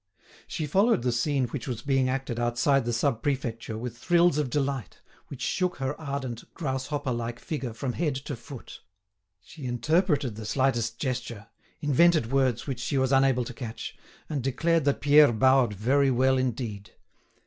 She followed the scene which was being acted outside the Sub Prefecture with thrills of delight, which shook her ardent, grasshopper like figure from head to foot. She interpreted the slightest gesture, invented words which she was unable to catch, and declared that Pierre bowed very well indeed.